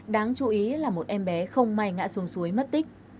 đáng chú ý là một em bé không may ngã xuống suối mất tích